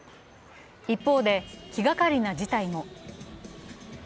一方で気がかりな事態も。